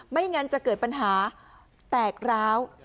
ไม่งั้นจะเกิดปัญหาแตกร้าว